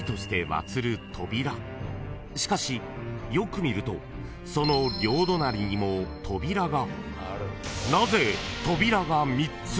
［しかしよく見るとその両隣にも扉が］